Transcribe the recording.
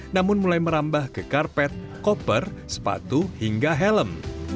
namun mulai merambah ke karpet koper sepatu hingga helm